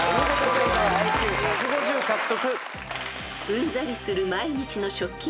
［うんざりする毎日の］